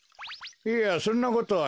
いやそんなことはない。